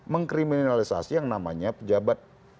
mengkriminalisasi yang namanya pejabat